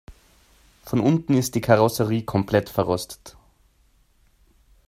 Von unten ist die Karosserie komplett verrostet.